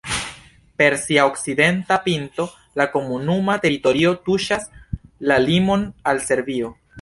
Per sia okcidenta pinto la komunuma teritorio tuŝas la limon al Serbio.